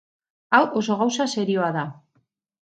Hau oso gauza serioa da.